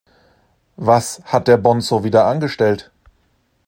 Was hat der Bonzo wieder angestellt?